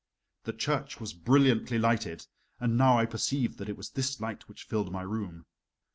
The church was brilliantly lighted, and now I perceived that it was this light which filled my room.